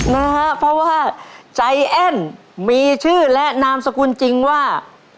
นะฮะเพราะว่าใจแอ้นมีชื่อและนามสกุลจริงว่า